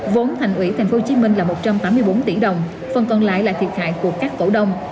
vốn thành ủy tp hcm là một trăm tám mươi bốn tỷ đồng phần còn lại là thiệt hại của các cổ đông